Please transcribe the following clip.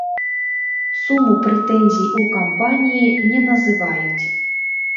Суму прэтэнзій у кампаніі не называюць.